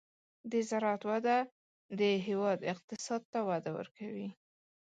د زراعت وده د هېواد اقتصاد ته وده ورکوي.